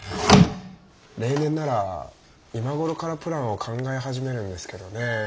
例年なら今頃からプランを考え始めるんですけどねえ。